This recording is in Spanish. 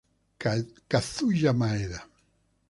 Kazuya Maeda